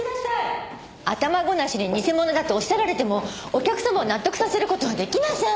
頭ごなしに偽物だとおっしゃられてもお客様を納得させる事は出来ません！